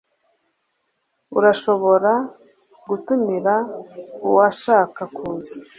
Urashobora gutumira uwashaka kuza.